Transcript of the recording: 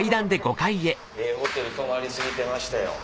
ええホテル泊まり過ぎてましたよ。